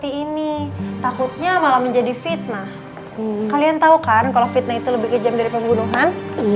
terima kasih ini takutnya malah menjadi fitnah kalian tahu kan kalau fitnah itu lebih kejam dari pembunuhan